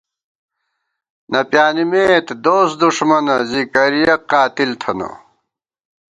نہ پیانِمېت دوست دُݭمَنہ زی کریَک قاتِل تھنہ